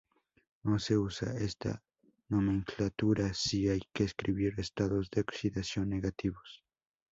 No se usa esta nomenclatura si hay que escribir estados de oxidación negativos.